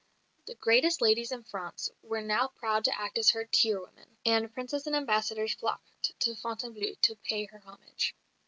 The greatest ladies in France were now proud to act as her tire women; and princes and ambassadors flocked to Fontainebleau to pay her homage.